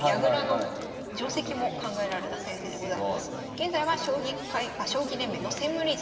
現在は将棋連盟の専務理事。